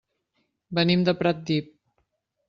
Venim de Pratdip.